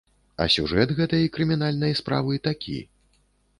А сюжэт гэтай крымінальнай справы такі.